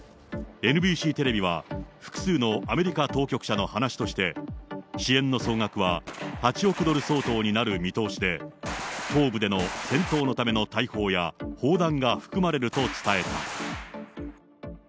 ＮＢＣテレビは複数のアメリカ当局者の話として、支援の総額は８億ドル相当になる見通しで、東部での戦闘のための大砲や砲弾が含まれると伝えた。